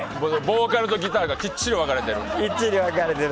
ボーカルとギターがきっちり分かれてる。